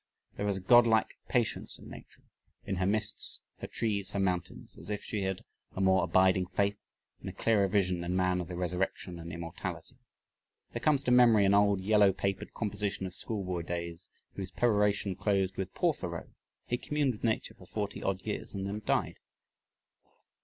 There is a Godlike patience in Nature, in her mists, her trees, her mountains as if she had a more abiding faith and a clearer vision than man of the resurrection and immortality! There comes to memory an old yellow papered composition of school boy days whose peroration closed with "Poor Thoreau; he communed with nature for forty odd years, and then died."